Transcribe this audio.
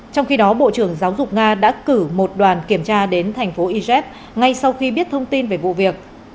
trong khi đó bộ trưởng giáo dục nga đã cử một đoàn kiểm tra đến thành phố iz ngay sau khi biết thông tin về vụ việc